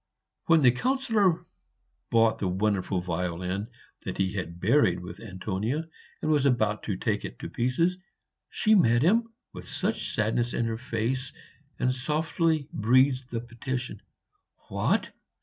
When the Councillor bought the wonderful violin that he had buried with Antonia, and was about to take it to pieces, she met him with such sadness in her face and softly breathed the petition, "What!